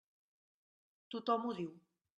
Tothom ho diu.